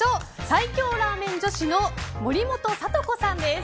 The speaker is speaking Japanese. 最強ラーメン女子の森本聡子さんです。